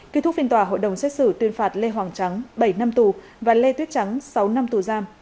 kết thúc phiên tòa hội đồng xét xử tuyên phạt lê hoàng trắng bảy năm tù và lê tuyết trắng sáu năm tù giam